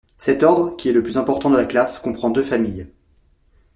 Cet ordre, qui est le plus important de la classe, comprend deux familles.